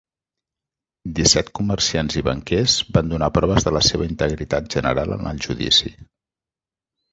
Disset comerciants i banquers van donar proves de la seva integritat general en el judici.